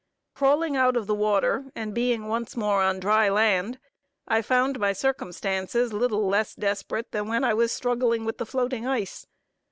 Crawling out of the water, and being once more on dry land, I found my circumstances little less desperate than when I was struggling with the floating ice.